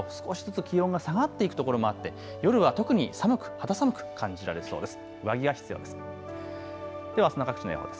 朝よりも日中そして夜と少しずつ気温が下がっていくところもあって夜は特に肌寒く感じられそうです。